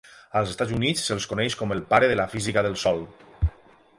Als Estats Units se'l coneix com el pare de la física del sòl.